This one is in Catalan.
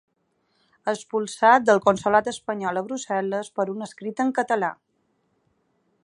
Expulsat del consolat espanyol a Brussel·les per un escrit en català.